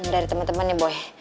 dari temen temen ya boy